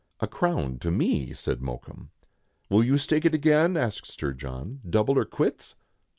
"A crown to me," said Mokoum, "Will you stake it again?" asked Sir John, "double or quits."